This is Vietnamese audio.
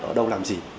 ở đâu làm gì